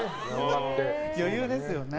余裕ですよね。